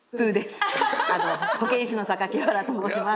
保健師の原と申します。